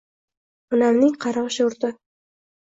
Onamning qarg`ishi urdi